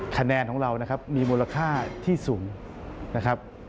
คะแนนของเรานะครับมีมูลค่าที่สูงนะครับ